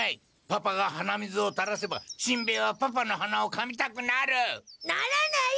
パパが鼻水をたらせばしんべヱはパパのはなをかみたくなる！ならない！